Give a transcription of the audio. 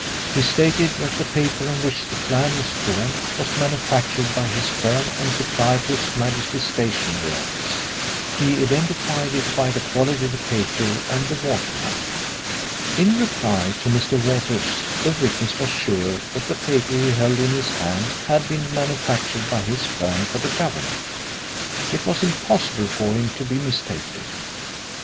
He stated that the paper on which the plan was drawn was manufactured by his firm, and supplied to His Majesty's Stationery Office. He identified it by the quality of the paper and the watermark. In reply to Mr. Walters the witness was sure that the paper he held in his hand had been manufactured by his firm for the Government. It was impossible for him to be mistaken.